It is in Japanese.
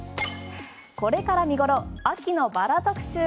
これから見頃のバラ特集。